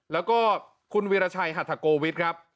แล้วก็คุณวิระชัยหาถกโกวิทครับ